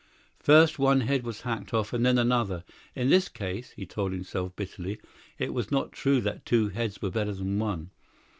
First one head was hacked off, and then another; in this case (he told himself bitterly) it was not true that two heads were better than one.